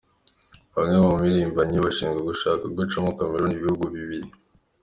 Bamwe mu mpirimbanyi bashinjwa gushaka gucamo Cameroon ibihugu bibiri.